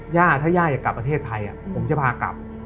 ย่าถ้าย่าอยากกลับประเทศไทยผมจะพากลับ